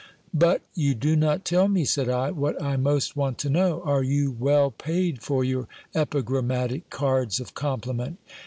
But you do not tell me, said I, what I most want to know. Are you well paid for your epigrammatic cards of compliment?